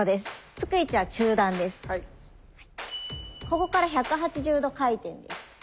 ここから１８０度回転です。